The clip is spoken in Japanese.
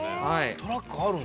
トラックあるんだ。